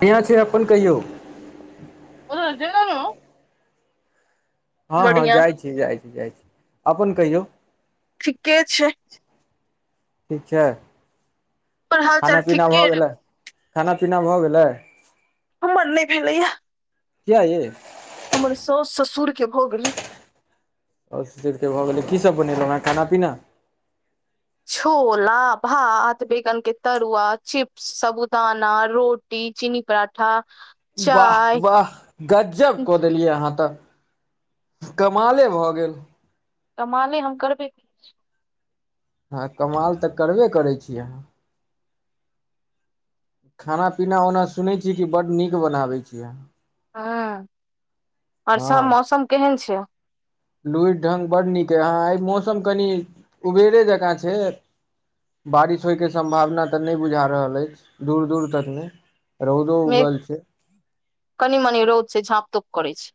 बढ़िया छै अपन कहियौ ओ [unintelligible] हँ हँ, बढ़िया जाइ छी, जाइ छी, जाइ छी। अपन कहियौ। ठीके छै ठीक छै। हमर हाल चाल खाना पीना ठीके भऽ रहै गेलै। खाना पीना भऽ गेलै। हमर नै भेल अछि। किया याइ? हमर सास ससुर के भोग रहे। आओर भऽ गेलै, की सभ बनेलहुँ हेँ? खाना पीना? छोला भात, बैगन के तरुआ, चिप्स, साबुदाना रोटी। कि चीनी पराठा वाह चाय वाह, गजब कऽ देलियै अहाँ तऽ। कमाले भऽ गेल। कमाले हम करबे हँ कमाल तऽ करबे करै छी। अहाँ खाना पीना ओना सुनैत छी कि बड्ड नीक बनबैत छी अहाँ। हँ, आओर सभ मौसम केहन छै? लुरुरि ढंग बड्ड नीक छै। एहि मौसममे कनि उबेरे जका छै। बारिश होइक सम्भावना तऽ नहि बुझा रहल अछि, दूर दूर तक नहि। रौदो मेघ उगल छै। कनि मनि रौद छै, झाँप तोप करै छै।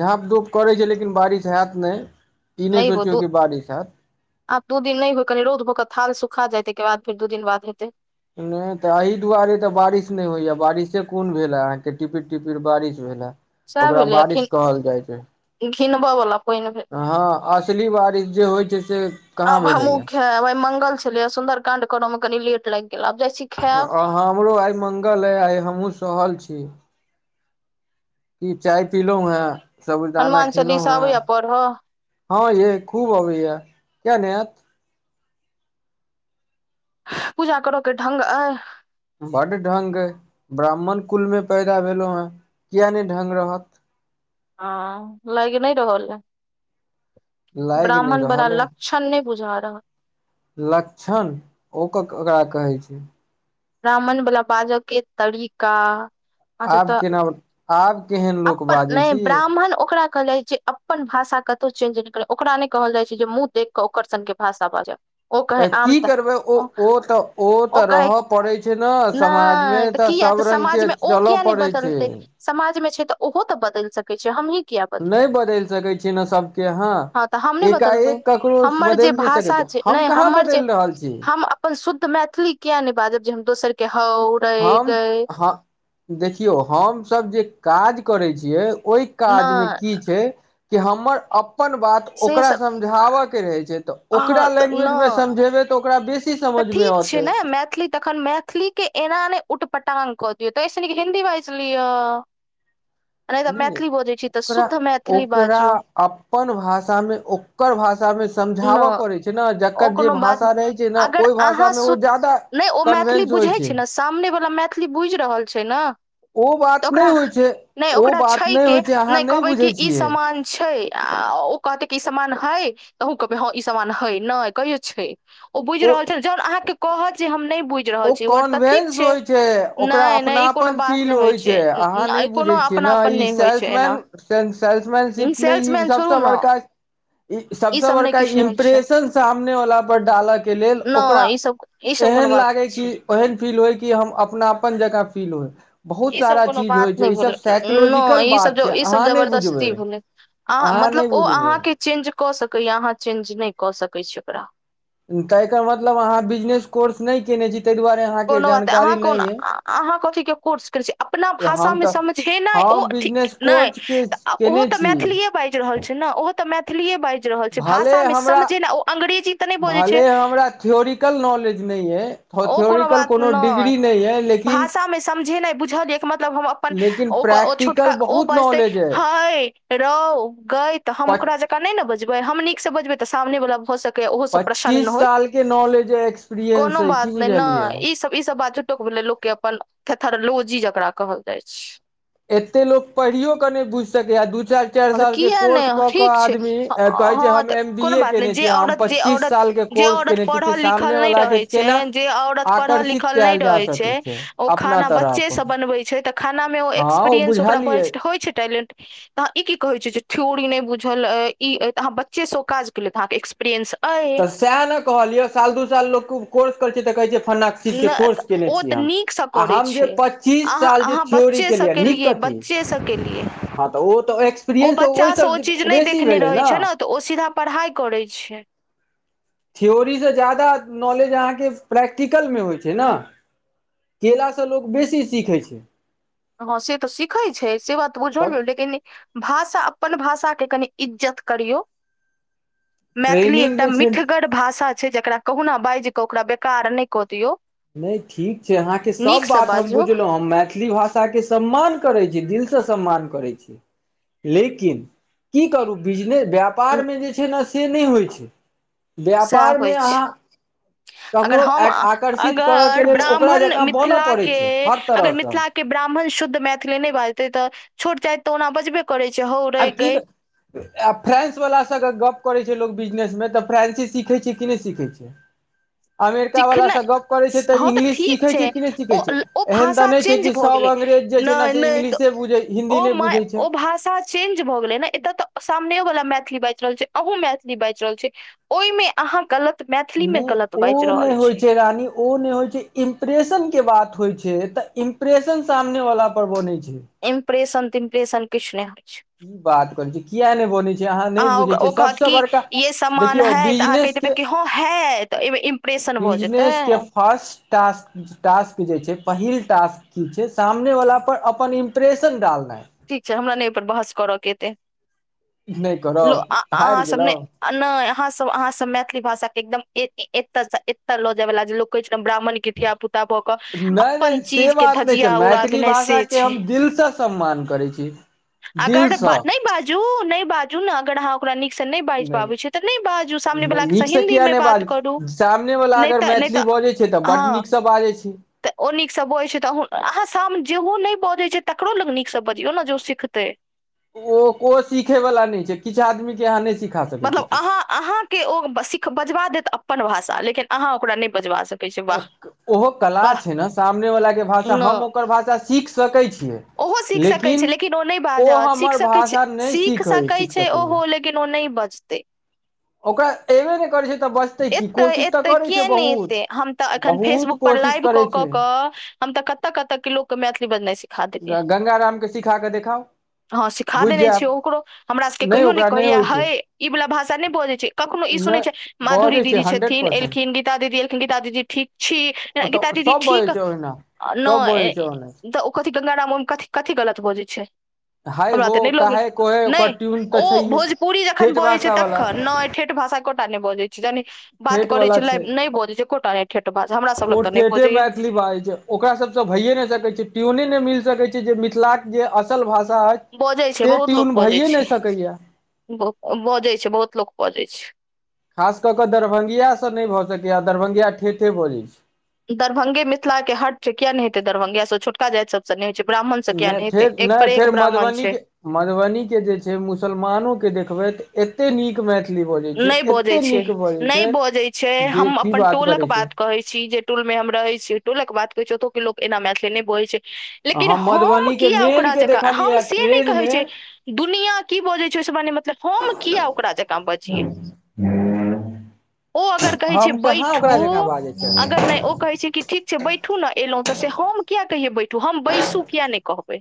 झाँप धूप करै छै, लेकिन बारिश हेत नहि। ई नहि हो सोचियौ दू जे बारिश हेत। आब दू दिन नहि होय, कनि रौद भऽ कऽ स्थान सुखा जाय, ताहि के बाद फेर दू दिन बाद हेतै। नहि तऽ एहि दुआरे तऽ बारिश नहि होइ छै। बारिश कोन भेलै? अहाँकेँ तऽ टिपिर टिपिर बारिश भेलै। से भेलै, ई घिनबला। हँ, असली बारिश जे होइ छै, से कहाँ भेलैए से? है वे मंगल। सुन्दर काण्ड करऽ में कनि लेट लागि गेल, आब जाइ छी। खायब आ हमरहु आइ मंगल अछि, आइ हमहूँ सहल छी। की, चाय पीलहुँ हँ? साबूदाना हनुमान खेलहुँ चालीसा आबैया हँ? पढ़ऽ हँ य, खूब अबैये कि ने, यात। पूजा करै के ढंग अछि। बड़ ढंग अछि, ब्राह्मण कुलमे पैदा भेलहुँ हँ, किएक नहि ढंग रहत? हँ, लागि नहि रहल अछि लाइग नै ब्राह्मणवला रहल अइ लऽ। क्षण नहि बुझा रहल अछि। लक्षण ओकरा केकरा कहै छै? ब्राह्मणवला बाजऽ के तरीका। अचछा आब तऽ केना आब केहन लोक अपन बाजै नहि छै यै ब्राह्मण ओकरा कहल जाइ छै अपन भाषा कतहु चेंज नहि करय ओकरा नहि कहल जाइ छै जे मुँह देख कऽ ओकर सन के भाषा बाजब ओ कहै आम की त करबै ओ ओ तऽ ओ तऽ कहै रहऽ पड़ै छै ना नहि तऽ किया तऽ समाजमे ओ चलऽ किया नहि पड़ै छै बदलतै समाज मे छै तऽ ओहो तऽ बदलि सकैत छै हमही किया बदल नहि बदलि सकै छी ने सबके आहाँ हँ तऽ हम नहि बदलबै एकाएक ककरो हमर बदलि जे नहि सकै भाषा छै नहि हम कहाँ हमर जे बदलि रहल छी हम अपन शुद्ध मैथिली किया नहि बाजब जे हम दोसर के हउ हम देखियौ हमस जे काज करै छियै ओहि काज मे नहि की छै कि हमर अपन बात से ओकरा सब समझाब के रहै छै तऽ ओकरा हँ तऽ लैंग्वेजमे नहि समझेबै तऽ ओकरा बेसी तऽ समझमे ठीक छै अतै ने मैथिली तखन मैथिली के एना नहि उट पटांग कऽ दियौ तैसैनिक हिन्दी बाजिलियै नहि तऽ मैथिली बोजै छी तऽ ओकरा शुद्ध मैथिल मैथिली ओकरा बाजु अपन भाषा मे ओकर भाषा मे न समझाबऽ पड़ैत छै ने ओ जकर जे कोनो बात भाषा नहि। रहै छै ने अगर ओहि अहाँ भाषामे ओ सुत जादा नहि ओ मैथिली कनवेन्स होइ बुझै छै ने सामने वाला मैथिली बुझ रहल छै ना ओ तऽ बात ओकरा नहि होइ छै नहि ओ ओकरा बात छै नहि के होइ छै अहाँ नहि कहबै की बुझै ई छियै समान छै आ ओ कहते क ई समान है तह कहबै हँ ई सामान है नहि कहियो छै ओ बुझि रहल छै जहन अहाँके कहत जे हम नहि बुझ ओ कॉन्वेंस होइ छै ओकरा नहि नहि ई कोनो अपनापन बात फील नहि होइ छै अहाँ नहि ई बुझै कोनो छियै अपना ने अपन ई नहि होइ छै सेल्सन एना सेल्समनशिप मे ई सेल्समैन छोड़ू सबस ने बड़का ई सबस सब नहि बड़का किछु नहि होइ छै इम्प्रेशन सामने वला पर डालऽ के लेल ओकरा नहि ई सब ई सब कोनो एहन बात नहि लागे कि छै ओहन फील होइ कि हम अपनापन जकाँ फील होय बहुत ईसभ सारा कोनो चीज बात होइ छै नहि ई सब भेलै न साइकोलॉजिकल ईसभ बात ज छै ईसभ अहाँ नहि बुझबै जबरदस्ती भेलै अहाँ नहि मतलब ओ बुझबै अहाँके चेंज कऽ सकैए अहाँ चेंज नहि कऽ सकै छी ओकरा त एकर मतलब अहाँ बिजनेस कोर्स नहि केने छी ताहि दुआरे अहाँके कोनो बात ह जानकारी अहाँ को नहि अइ अहाँ कथ के कोर्स केने छी अपना हम भाषामे तऽ सम जे नहि हम ओथ बिजनेस नहि कोर्स के ओहो केने तऽ छी मैथिलीे बाज रहल ने ओहो तऽ मैथिलीए बाज रहल छै भले भाषा मे हमरा समझे ने ओ अंग्रेजी तऽ नहि बजै भले छै हमरा थियोरिकल नॉलेज नहि ये ओ कोनो बात नहि लेकिन भाषामे समझेनाइ बुझल यए मतलब हम अप लेकिन प्रैक्टिकल [unintelligible] बहुत बजतै नॉलेज अइ ह्य रौ गइ त हम ओकरा जेका क नहि ने बजबे हम नीक से बजबे तऽ सामने वला भऽ सकै पच्चीस साल के नॉलेज एक्सपीरियंस कोनो है बात क नहि नहि ई सब ई सब बात झुट भेलै लोकके अपन थेथरोलोजी जकरा कहल जाइ छै एते लोग पढ़िययो के ने बुझ सके य दू चारि चारि हम साल के किया कोर्स नहि क के ठीक छै आदमी ह- कहै छै हँ हम तऽ एम बी कोनो ए बात नहि केने जे छी हम औरत जे पच्चीस औरत साल के जे कोर्स औरत केने छी कि पढ़ल लिखल सामने नहि वालला के रहै केना छै जे औरत पढ़ल आकर्षित लिखल नहि कयल जा रहै सकैत छै अपना तरफ बन छै तऽ खाना मे ओ हँ एक्सपीरियंस ओक बुझलियै होइ छै टैलेंट त अह ई की कहे छीिय ्योरी नहि बुझल इ त अहाँ बच्चे से काज केले ते अहाँ के एक्सपीरियेंस अय तऽ सएह ने कहलिये साल दू साल लो कोर्स कर छै तऽ कहे छै फन्ना चीज के नहि तऽ कोर्स केने ओ छी तऽ हम नीकसँ आ करै हम जे छै पच्चीस साल जे थ्योरी केेलिय नीक कथी छओ सएके लिए हँ तऽ ओ तऽ एक्सपीरियंस ओहिसँ चीज नहि बेसी देखने भेलै रहै ने छै तऽ ओ सीधा पढ़ाइ करै छैिय थ्योरीसँ जा्यदा नॉलेज अहाँके प्रैक्टिकलमे होइ छै ने केलासँ लोक बेसी सीखै छै हँ से तऽ सिखै छै से बात त तब बुझलौ लेकिन भाषा अपन भाषा के कनि इज्जत करियौ मैथिली ट्रेनिंग एकटा जे छै मिठगढ़ भाषा छै जेकरा कहुना बाजि कऽ ओकरा बेकार नहि कऽ दियौ नहि ठीक छै अहाँके सब नीकसँ बात हम बाजू बुझलहुँं हम मैथिली भाषा भाषा के सम्मान करै छी दिल से सम्मान करै छी लेकिन की करू बिजनेस व्यापारमे जे छै ने से नहि होइ छै स व्यापारमे अछि अहाँ अगर ककरो हम आकर्षित करयके लेल ओकरा ब्राह्मण जकाँ बनय मिथिला पड़ैत के छै हर अगर तरहसँ मिथिला के के ब्राह्मण शुद्ध मैथिली नहि बाजते तऽ छोट जाति तऽ ओना बजबे करे छै हौ आब रे की गय आ फ्रेंस वलासँ अगर गप करैत छै लोक बिजनेसमे तऽ फ्रेंसे सीखै छै कि नहि सीखै छै अमेरिका वाला सिखनाइ से गप करे छै हँ तऽ इंग्लिश ठीक सीखे छै कि नहि सीखे ओ छै ओ एहन तऽ भाषा नहि छै चेंज कि भऽ सब गेलै अंग्रेज जे छै ने नहि से नहि तऽ इंग्लिशे बुझै हिन्दी ओ नहि बुझै छै ओ भाषा चेंज भऽ गेले ने एतय तऽ सामनेो वाला मैथिली बाजि रहल छै अहू मैथिली बाजि रहल छै ओहिमे अहाँ गलत मैथिलीमे नहि गलत बाजि ओ होइ छै रान ओ नहि होइ छै इम्प्रेशन के बात होइ छै तऽ इम्प्रेशन सामने वालला पर बनै छै इम्प्रेशन तम्प्रेशन किछु नहि होइ छै की बात करै छै कििया नहि बनै छै अहाँ नहि ओक- बुझे ओ छियै कहत सबस कि बड़का ये सामान देखियौ है तऽ अहाँ कहि बिजनेस के हँ है तऽ एहिमे इम्प्रेशन भऽ जेतै बिजनेस के फर्स्ट टास्क टास्क जे छै पहिल टास्क ठीक छै सामने वालला पर अपन इम्प्रेशन डालनाइ ठीक छै हमरा नहिहिप पर बहस करय के एतै नहि करब हारि गेलहु आ नहि अहाँ सब अहाँ सब मैथिली भाषा के एकदम एत एते लो जायवाला जे लोको कह ब्राह्मण के धिया पुता भऽ के नहि अपन नहि से चीज के बात नहि छै धजिया उड़ मैथिली देना से भाषाके छै हम दिलसँ सम्मान करै छी अगर दिलसँ नहि बाजू नहि बाजू ने अगर अहाँ ओकरा न नहि बाजि पाबै छै तऽ नहि बाजू सामने ब नीकसँ किया हिन्दीमे नहि बात बाज करू सामनेवला नहि अगर तऽ नहि मैथिली तऽ बजै तऽ बड्ड हँ नीकसँ बाजै छी तऽ ओ नीक से बजै छै त अहा शाम जेहो न बजे छै तकरो लग निक बजियौ ने जेो सिखतै ओ ओ सिखे वालला नहि छै किछु आदमी के यहाँ नहि सिखा सक मतलब अहाँ अहाँ के ओ सिख बजबा देत अपन भाषा लेकिन अहाँ ओकरा नहि बजबा सकै ओहो कला छै ने सामने वलाके भाषा न हम ओकर भाषा सीख सकै छियै ओहो सीख सकैत छै लेकिन ओ नहि बाजत हमर सीख सकैत छै भाषा नहि सीख सीखै सकैत सीख छै सकैए ओहो लेकिन लेकिन ओ नहि बजतय [inaudible] ओकरा अऐबे नहि करै छै तऽ बचतै क एतै कोशिश तऽ एतै करै छै किया नहि बहुत एतै हम तऽ एखन बहुत फेसबुक पर कोशिश लाइव करै क छै क के हम तऽ कत कत के लोको के मैथिली बजनाइ सिखा देलियय गंगा राम के सिखा के देखाउ हँ सिखा बुझि देने जायब छियै ओकरो हमरा सभके कहियो नहि ओकरा कहैय होइ छै हे ई वाला भाषा नहि बजै छै कखनो ई सुनै नहि छै माधुरी बजै छै दीदी हंड्रेड छथिन परसेंट एलखिन गीता दीदी एलखिन गीता दीदी ठीक छी गीता ओतऽ दीदी सब बजै ठीक छै ओहिना न‌ सब बजै छै ओना कथि गंगाड़मे क कथी गलत बोजै छै हाय हमरा हो ते नहि लोगे काहे कोहे ओकर नहि ट्यून तऽ ओ छैहे भोजपुरी ज जखन ठेठ बजै छै भाषा वाला तखन ने ठेठ भाषा एकोटा नहि बजै छै जान बात ठेठ करै वाला छै नहि बोजै छै कोटा नहि ठेठ बात हमरा सब लग ओ तऽ नहि ठेठे मैच बजैया मैथिली बाजै छै ओकरा सबसँ भइए नहि सकैत छै ट्योने नहि मिल सकैत छै जे मिथिला के जे असल भाषा अछि बजै छै से बहुत लोक ट्यून बजै भइए छै नहि सकैया बजै छै बहुत लोक बजै छै खास कऽ कऽ दरभंगियासँ नहि भऽ सकैए दरभंगिया ठेठे बजैत छै दरभंगे मिथिला के हट छै किया नहि हेै दरभंगिया सँ छोटका जाइत सब नहि होइ छै ब्राह्मण से किया नहि हेतै एक पर एक ब्राह्मण छै मधुबनी के जे छै मुसलमानो के देखबै तऽ एते नीक मैथिल नहि बजैत छै नहि बजैत छै जे हम की अपन बात टोलक करै छै बात कहैत छी जे टोल मे हम रहे छी टूल के बाते छी ओतोक लोक के लो एना मैथिली बोले छै लेकिन अहाँ हम मधुबनीके किया ओकरा मेनके जकाँ हम देखलियै से नहि कहै ट्रेनमे छै दुनिया की बजे छै ओहिसे हमरा कीमतलब हम किया ओकरा जकाँ बज ओ अगर कहै छै हम कहाँ बैठू ओकरा जकाँ बाजै अगर छै नहि ओ कहै छै कि ठीक छै बैठू ने एलहुँ तऽ से हम किया कहियै बैठू हम बैसू किया नहि कहबै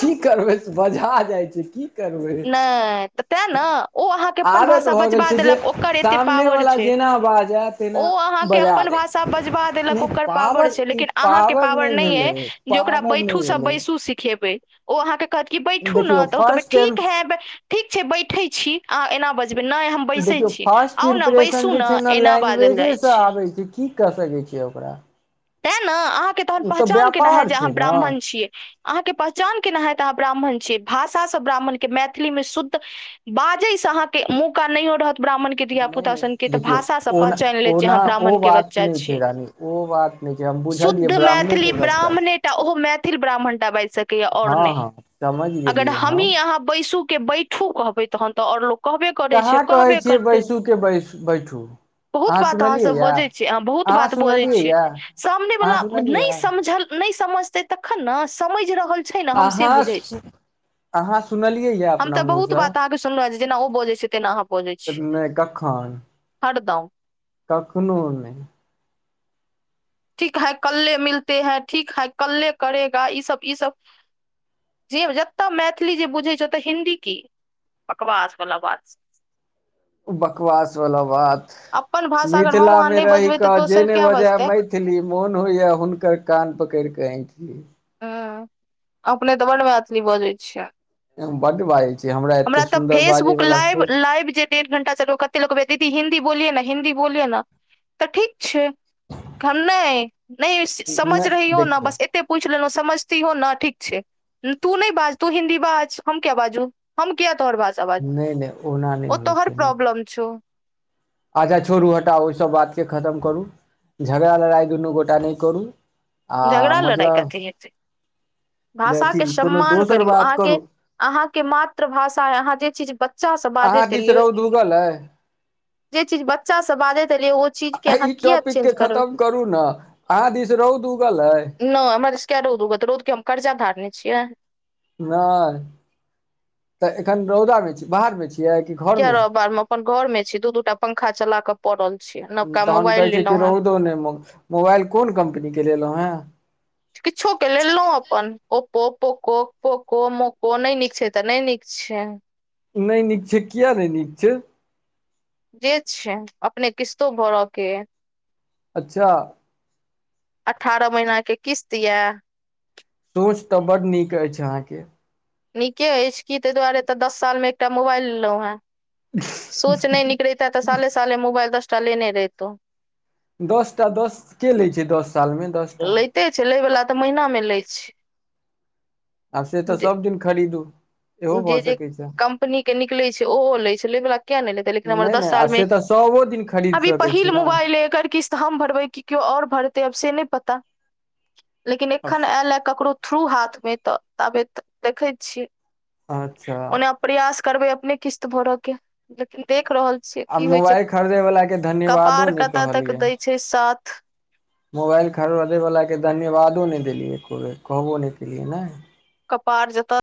की करबै से बजा जाइ छै की करबै नहि तऽ तें ने ओ अहाँके अपन आदत भाषा भऽ गेल बजबा छै जे देलक ओकरे ए सामने पावर वाला छै जेना बाजै ओ तेना अहाँके बजा अपन दै भाषा बजबा देलक नहि ओकर पावर छै ई लेकिन अहाँके पावर नहि अइ भेलै जे ओकरा पावर नहि बैठू से भेलै बैसू सिखेबै ओ अहाँके कहत की बैठू न देखियौ त ओ फर्स्ट टाइम ठीक है ठीक छै बैठे छी अह एना बजबै नहि हम बैसै देखियौ छी फर्स्ट आउ ने इम्प्रेशन बैसू जे छै ने एना बाजल लैंग्वेजे जाइ से आबै छै की क सकै छियै ओकरा तैं ने अहाँके तहन ओ तऽ पहचान केना है व्यापार जे अहाँ छै ने ब्राह्मण छियै अहाँके पहचान केना हत अहाँ ब्राह्मण छीै भाषासँ ब्राह्मणके मैथिली में शुद्ध बाजै से अहाँके मुँह क नहि हो रहत ब्राह्मणके धिया नहि पुता सनके नहि तऽ देखियौ भाषासँ ओना पहचानि लेत जे ओना अहाँ ओ ब्राह्मणके बात बच्चा नहि छी छै रानी ओ बात नहि छै हम बुझलियै शुद्ध ब्राह्मणे के मैथिली बच्चा ब्राह्मणे टा ओहो मैथिल ब्राह्मण टा बाजि सकैए छै आओर हँ हँ नहि समझ अगर गेलियै हम हमही अहाँ बैसू के बैठू कहबै तहन तऽ आओर लोक कहबे करै कहाँ छै कहै कहबे छियै करतै बैसू के बैस बैठू बहुत अहाँ बात सुनलियै अहाँसभ यए बजै छीयै अहाँ बहुत बात बजै सुनलियै छियै यए सामने अहाँ वलाा सुनलियै नहि या समझल नहि समझतै तखन ने समझ रहल ने हम अहाँ बुझै छी अहाँ सुनलियै यए अपना त बहु मुँहसँ ब सुन जेना ओ बजे छै तेना हमहु नहि कखन हरदम कखनो नहि ठीक है क्ले मिलते है ठीक है क्ले करेगा ई सब ई सब जे जतय मैथिली जे बुझै छै ओतऽ हिन्दी की बकवास वाला बात बकवास वाला बात अपन भाषा अगर हम मिथिला अहाँ मे नहि रहि बजबै तऽ कऽ जे दोसर नहि के बाजए बजतै मेथिली मोन होइया हुनकर कान पकड़ि कऽ आइठ ली हाँ अपने तऽ बड् मैथिली बजैत छियै बड़ बाजय हमरा तऽ फेसबुक लाइव लाइव जे डेढ़ घंटा से कते लगबै दीदी हिन्दी बोलिय ने हिन्दी बोलिये ने तऽ ठीक छै घर नहि नहि समझ रही नहि हो ने देखियौ बस पूछि लेलहुँ समझती हो ना ठीक छै तू नहि बाज तू हिन्दी बाज हम क्य बाजू हम किया तोहर भाषा नहि नहि ओना बाजू नहि ओ होइ तोहर छै ने प्रॉब्लम छौ अच्छा छोड़ू हटाउ ओहिसभ बातके खतम करू झगड़ा लड़ाइ दुनू गोटा नहि करू आ झगड़ा लड़ाइ मतलब कथी हेतै अथी कोनो सम्मान दोसर करियौ बात अहाँके करू अहाँ के मातृभाषा अहाँ जे चीज बच्चा सँ बाजैत एलियै तू गल ह जे चीज बच्चा सँ बाजैत एलै ओ चीज आ के ई अहाँ कियाक टॉपिक के चेंज करबै खतम करू ने अहाँ दिस हौद उगल अै नहि हमरास क रौद उगत रौद के हम कर्जा धारने छियै नहि तऽ एखन रौदा बे छी बाहर बे छी किया कि घर किया रहब बाहर मे अपन घर में छी दू दूटा पंखा चला के पड़ल छी न तहन कहै छै कि रौदो नहि मोबाइल कोन कम्पनीे लेलहुँ हैं किछो के लेलहु अपन ओप्पो पोको पोको मोको नहि नीक छै तऽ नहि नीक छै नहि नीक छै किया नहि नीक छै जे छै अपने किस्तो भरऽ के अच्छा अठारह महिना के किस्त यऽ सोच तऽ बड नीक अछि अहाँ के नीके अछि की ताहि दुआरे तऽ दस साल मे एकटा मोबाइल लेलहुं हे सोच नहि निकलैता तऽ साले साले मोबाइल दस टा लेने रहतौ दस टा दस के ले छै दस साल में दस टा लएतै छै लैवला तऽ महिना में लै छै आब से तऽ जे सबदिन खरीदू इहो भऽ जे जे सकैत छै कम्पनी के निकलैए छै ओहो लैत छै लेवला किया नहि लेतै लेकिन हमर दस साल में सएो दिन खरीद अभी सकैत पहिल छी ने मोबाइल लेक के किस्त हम भरबै की क्यो और भरतै से अब नै पता लेकिन एखन ऐल एऽ ककरो थ्रू हाथ मे तऽ ताबे देखैत छीयै अच्छा प्रयास करबे अपने किस्त भरऽ के लेकिन देख रहल छी से आ की होइ छै मोबाइल खरीदयवलाके धन्यवादो कपार नहि कतऽ तक कहलियै दै छै साथ मोबाइल खरोदैवलाके धन्यवादो नहि देलियै को बे कहबो नहि केलियै ने कपार जैतै